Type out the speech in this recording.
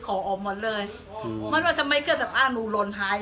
กลับมาที่สุดท้ายมีกลับมาที่สุดท้าย